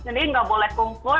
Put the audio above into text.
jadi nggak boleh kumpul